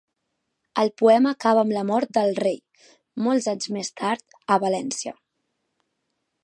El poema acaba amb la mort del rei, molts anys més tard, a València.